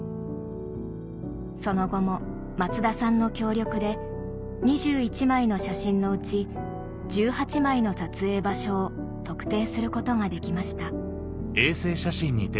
その後も松田さんの協力で２１枚の写真のうち１８枚の撮影場所を特定することができました